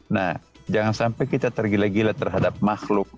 nah jangan sampai kita tergila gila terhadap makhluk